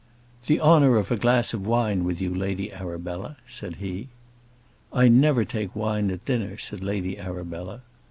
"The honour of a glass of wine with you, Lady Arabella," said he. "I never take wine at dinner," said Lady Arabella.